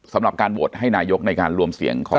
สำหรับการโหวตให้นายกในการรวมเสียงของ